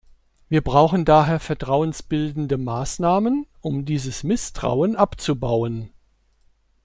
Wir brauchen daher vertrauensbildende Maßnahmen, um dieses Misstrauen abzubauen.